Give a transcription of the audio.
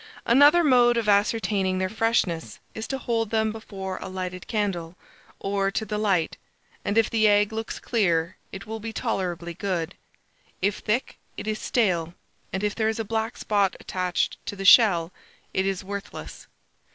Another mode of ascertaining their freshness is to hold them before a lighted candle, or to the light, and if the egg looks clear, it will be tolerably good; if thick, it is stale; and if there is a black spot attached to the shell, it is worthless.